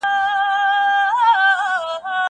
دا سندري له هغه خوږه ده؟